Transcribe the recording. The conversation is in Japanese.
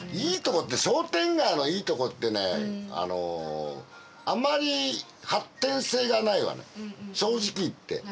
いいとこって商店街のいいとこってねあのあまり発展性がないわね正直言って。